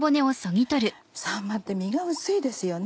さんまって身が薄いですよね。